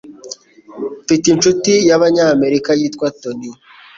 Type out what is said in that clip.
Mfite inshuti y'Abanyamerika yitwa Tony.